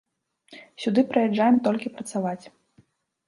Сюды прыязджаем толькі працаваць.